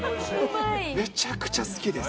めちゃくちゃ好きです。